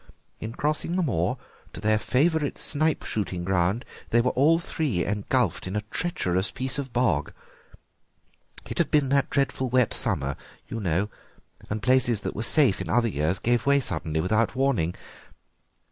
In crossing the moor to their favourite snipe shooting ground they were all three engulfed in a treacherous piece of bog. It had been that dreadful wet summer, you know, and places that were safe in other years gave way suddenly without warning.